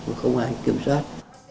và không ai kiểm soát